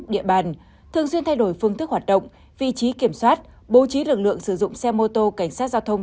địa bàn thường xuyên thay đổi phương thức hoạt động vị trí kiểm soát bố trí lực lượng sử dụng xe mô tô cảnh sát giao thông